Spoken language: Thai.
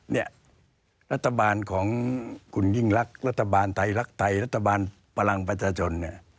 เนี่ยรัฐบาลของคุณยิ่งรักรัฐบาลไทยรักไทยรัฐบาลพลังประชาชนเนี่ย